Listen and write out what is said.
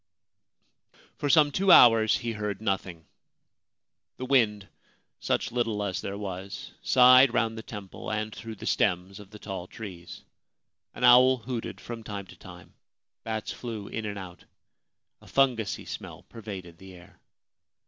For some two hours he heard nothing. The wind — such little as there was — sighed round the temple and through the stems of the tall trees. An owl hooted from time to time. Bats flew in and out. A fungusy smell pervaded the air.